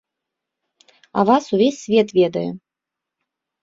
А вас увесь свет ведае!